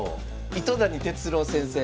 糸谷哲郎先生。